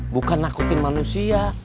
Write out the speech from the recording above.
bukan nakutin manusia